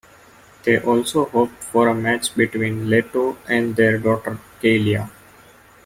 They also hope for a match between Leto and their daughter, Kailea.